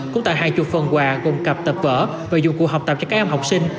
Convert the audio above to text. cũng tặng hai mươi phần quà gồm cặp tập vở và dụng cụ học tập cho các em học sinh